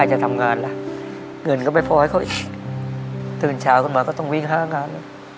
จะทำงานล่ะเงินก็ไม่พอให้เขาอีกตื่นเช้าขึ้นมาก็ต้องวิ่งหางาน